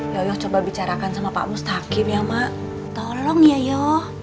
yoyo coba bicarakan sama pak mustaqim ya mak tolong yoyo